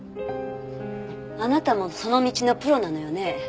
あなたもその道のプロなのよね？